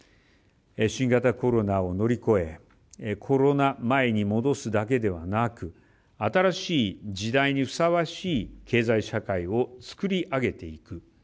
新型コロナを乗り越えコロナ前に戻すだけではなく新しい時代にふさわしい経済社会を作り上げていく。